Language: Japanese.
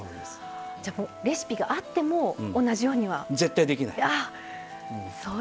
じゃあ、レシピがあっても同じようには。絶対できない。